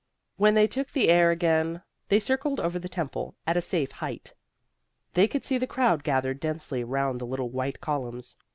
When they took the air again they circled over the temple at a safe height. They could see the crowd gathered densely round the little white columns.